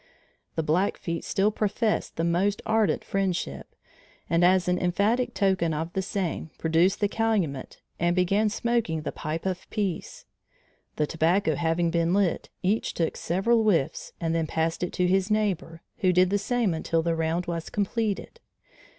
The Blackfeet still professed the most ardent friendship, and as an emphatic token of the same, produced the calumet and began smoking the pipe of peace. The tobacco having been lit, each took several whiffs and then passed it to his neighbor, who did the same until the round was completed.